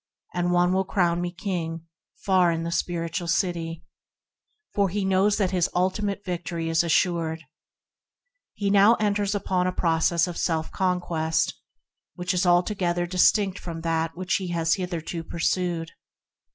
. And one will crown me king Far in the spiritual city," for he knows that his ultimate victory is assured He now enters upon a process of self conquest altogether distinct from that which he has hitherto pursued.